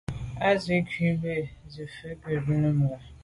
Á nǔm rə̂ jû zə̄ à' cûp bí gə́ zî cû vút gí bú Nùngà.